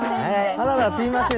あららすいません。